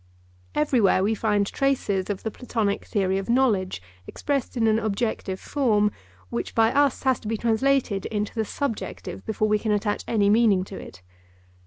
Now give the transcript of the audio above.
Everywhere we find traces of the Platonic theory of knowledge expressed in an objective form, which by us has to be translated into the subjective, before we can attach any meaning to it.